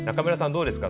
どうですか？